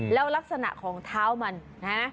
แล้วลักษณะของเท้ามันนะฮะ